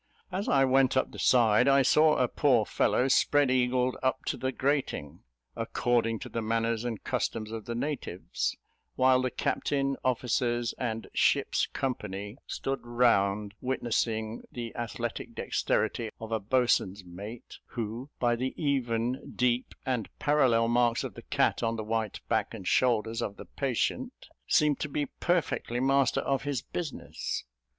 As I went up the side, I saw a poor fellow spread eagled up to the grating, "according to the manners and customs of the natives," while the captain, officers, and ship's company stood round witnessing the athletic dexterity of a boatswain's mate, who, by the even, deep, and parallel marks of the cat on the white back and shoulders of the patient, seemed to be perfectly master of his business.